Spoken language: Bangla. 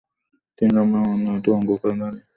তিনি লম্বা এবং উন্নত অঙ্গধারী।